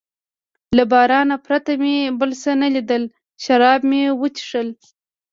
له باران پرته مې بل څه نه لیدل، شراب مې و څښل.